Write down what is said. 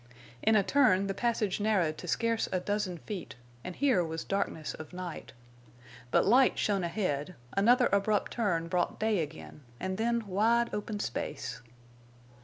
In a turn the passage narrowed to scarce a dozen feet, and here was darkness of night. But light shone ahead; another abrupt turn brought day again, and then wide open space.